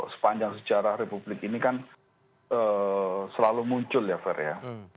sepanjang sejarah republik ini kan selalu muncul ya fer ya